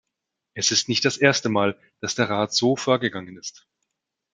Es ist nicht das erste Mal, das der Rat so vorgegangen ist.